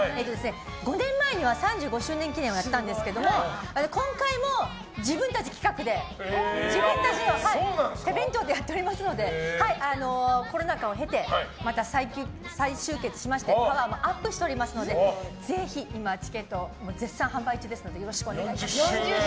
５年前には３５周年記念をやったんですけど今回も自分たち企画で自分たちの手弁当でやっておりますのでコロナ禍を経て、再集結しましてパワーもアップしておりますのでぜひチケット絶賛販売中ですのでよろしくお願いします。